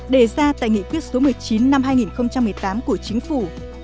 đề ra tại nghị quyết số một mươi chín năm hai nghìn một mươi tám của chính phủ